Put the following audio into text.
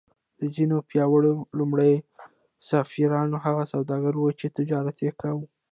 د منځنیو پیړیو لومړي سفیران هغه سوداګر وو چې تجارت یې کاوه